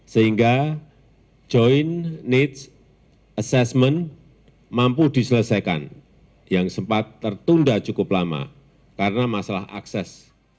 sehingga joint needs assessment mampu diselesaikan yang sempat tertunda cukup lama karena masalah akses